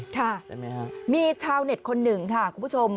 ค่ะมีชาวเน็ตคนหนึ่งค่ะคุณผู้ชม